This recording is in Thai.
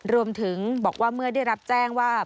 รวมถึงบอกว่าเมื่อได้รับแจ้งว่า